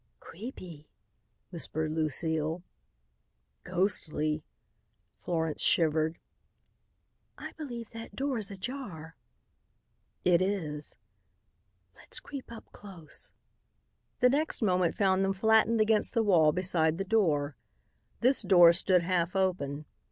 "Creepy," whispered Lucile. "Ghostly," Florence shivered. "I believe that door's ajar." "It is." "Let's creep up close." The next moment found them flattened against the wall beside the door. This door stood half open.